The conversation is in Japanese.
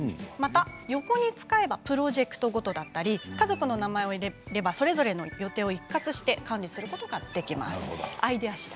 横に使えばプロジェクトごととか家族の名前を入れればそれぞれの予定を一括管理することができます。